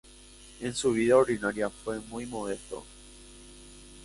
En su vida ordinaria fue muy modesto.